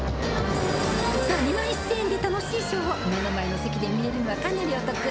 ２１，０００円で楽しいショーを目の前の席で見れるんはかなりお得。